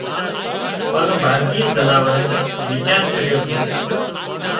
پڻ باقي زناوارنئي ويچار ڪريو ڪي